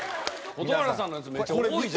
蛍原さんのやつめっちゃ多い！